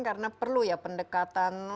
karena perlu ya pendekatan